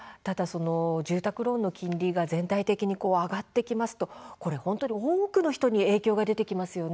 住宅ローンの金利が全体的に上がってきますと多くの人に影響が出てきますよね。